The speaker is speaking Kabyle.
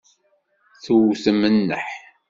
Tewtem nneḥ.